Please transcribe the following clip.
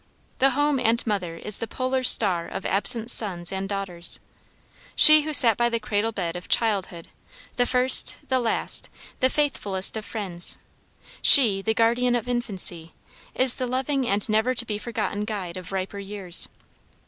The home and mother is the polar star of absent sons and daughters. She who sat by the cradled bed of childhood, "the first, the last, the faithfulest of friends," she, the guardian of infancy, is the loving and never to be forgotten guide of riper years.